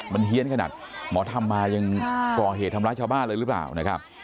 มันเฮียนขนาดหมอธรรมมายังก่อเหตุทำร้ายชาวบ้านเลยหรือเปล่านะครับ